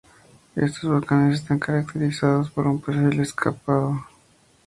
Estos volcanes están caracterizados por un perfil escarpado y erupciones periódicas y explosivas.